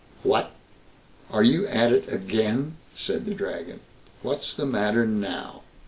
"What! Are you at it again?" said the Dragon. "What's the matter now?"